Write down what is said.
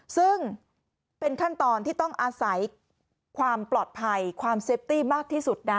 ซึ่งเป็นขั้นตอนที่ต้องอาศัยความปลอดภัยความเซฟตี้มากที่สุดนะ